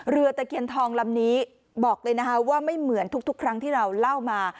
ตะเคียนทองลำนี้บอกเลยนะคะว่าไม่เหมือนทุกครั้งที่เราเล่ามา